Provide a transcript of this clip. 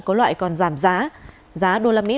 có loại còn giảm giá giá đô la mỹ